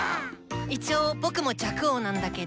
一応僕も若王なんだけど。